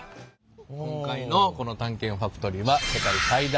今回のこの「探検ファクトリー」はほう楽しみ！